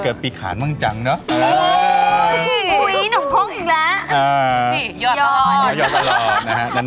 แม่บ้านประจันบัน